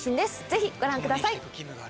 是非ご覧ください。